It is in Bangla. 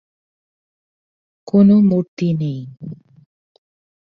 কোন মূর্তি নেই।